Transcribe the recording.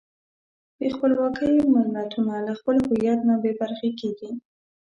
بې خپلواکۍ ملتونه له خپل هویت نه بېبرخې کېږي.